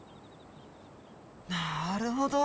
なるほど。